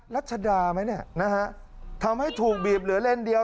รัชดาไหมเนี่ยนะฮะทำให้ถูกบีบเหลือเลนเดียว